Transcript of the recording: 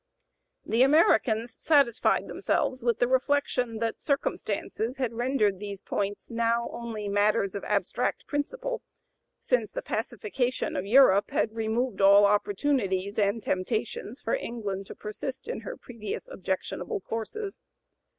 The Americans satisfied themselves with the reflection that circumstances had rendered these points now only matters of abstract principle, since the pacification of Europe had removed all opportunities and temptations for England to persist in her previous objectionable courses.